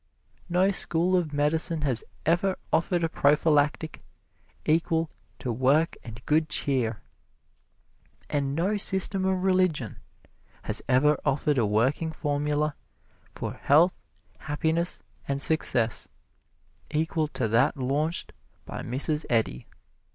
No school of medicine has ever offered a prophylactic equal to work and good cheer, and no system of religion has ever offered a working formula for health, happiness and success equal to that launched by Mrs. Eddy.